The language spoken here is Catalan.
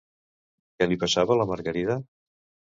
Què li passava a la Margarida?